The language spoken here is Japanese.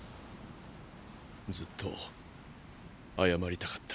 ずっと謝りたかった。